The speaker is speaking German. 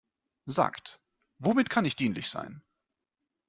Sagt, womit kann ich dienlich sein?